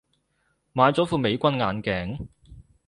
買咗副美軍眼鏡